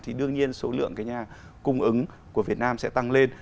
thì đương nhiên số lượng cái nhà cung ứng của việt nam sẽ tăng lên